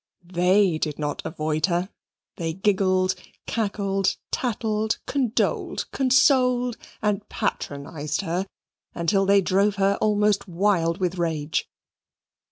THEY did not avoid her. They giggled, cackled, tattled, condoled, consoled, and patronized her until they drove her almost wild with rage.